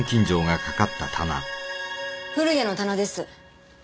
古谷の棚です。